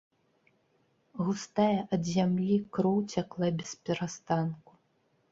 Густая ад зямлі кроў цякла бесперастанку.